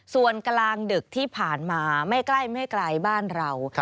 ส่วนกลางดึกที่ผ่านมาไม่ใกล้ไม่ไกลบ้านเรา